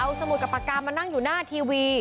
เอาสมุดกับปากกามานั่งอยู่หน้าทีวี